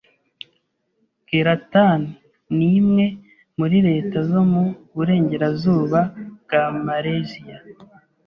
Kelantan ni imwe muri leta zo mu burengerazuba bwa Maleziya.